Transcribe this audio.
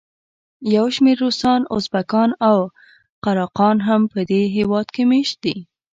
یو شمېر روسان، ازبکان او قراقان هم په دې هېواد کې مېشت دي.